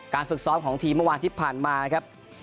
ฝึกซ้อมของทีมเมื่อวานที่ผ่านมาครับ